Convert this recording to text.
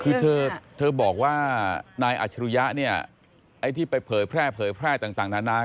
คือเธอบอกว่านายอาชิรุยะเนี่ยไอ้ที่ไปเผยแพร่เผยแพร่ต่างนานา